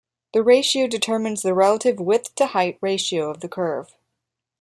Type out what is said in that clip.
The ratio determines the relative width-to-height ratio of the curve.